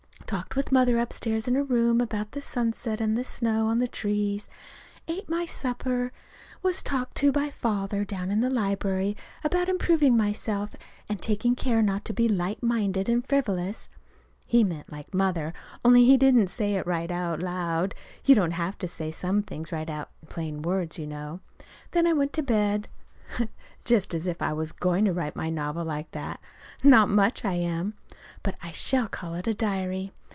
Talked with Mother upstairs in her room about the sunset and the snow on the trees. Ate my supper. Was talked to by Father down in the library about improving myself and taking care not to be light minded and frivolous. (He meant like Mother, only he didn't say it right out loud. You don't have to say some things right out in plain words, you know.) Then I went to bed." Just as if I was going to write my novel like that! Not much I am. But I shall call it a diary.